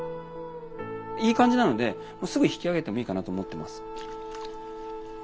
いい感じなのでもうすぐ引き上げてもいいかなと思ってます。